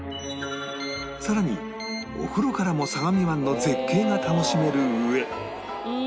さらにお風呂からも相模湾の絶景が楽しめる上